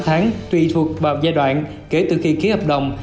sáu tháng tùy thuộc vào giai đoạn kể từ khi ký hợp đồng